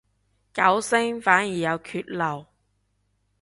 九聲反而有缺漏